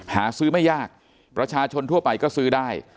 หาซื้อไม่ยากประชาชนทั่วไปก็ซื้อได้